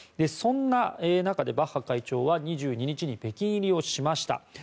そんな中でバッハ会長は２２日に北京入りをしました。